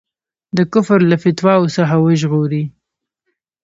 د کفر له فتواوو څخه وژغوري.